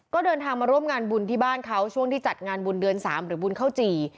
ก็เดินทางมาร่วมงานบุญที่บ้านเขาช่วงที่จัดงานบุญเดือน๓หรือบุญเข้าจี่